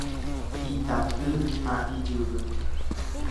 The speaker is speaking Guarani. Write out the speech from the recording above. Itaty ha ijyvy.